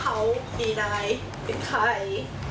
ชีวิตไม่ได้มีอะไร